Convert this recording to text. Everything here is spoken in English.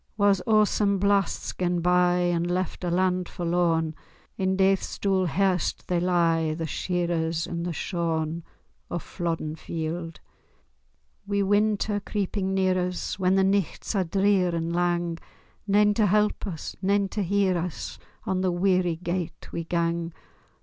War's awsome blast's gane bye, And left a land forlorn; In daith's dool hairst they lie, The shearers and the shorn. O Flodden Field. Wi' winter creepin' near us, When the nichts are drear and lang, Nane to help us, nane to hear us, On the weary gate we gang!